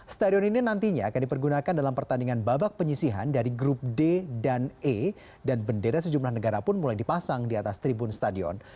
stadion ini nantinya akan dipergunakan dalam pertandingan babak penyisihan dari grup d dan e dan bendera sejumlah negara pun mulai dipasang di atas tribun stadion